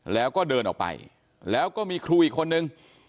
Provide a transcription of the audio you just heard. แล้วก็เดินออกไปแล้วก็มีครูอีกคนนึง